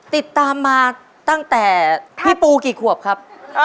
ติดตามมาตั้งแต่พี่ปูกี่ขวบครับ